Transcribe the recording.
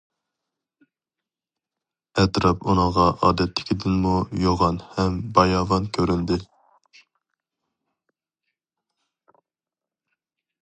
ئەتراپ ئۇنىڭغا ئادەتتىكىدىنمۇ يوغان ھەم باياۋان كۆرۈندى.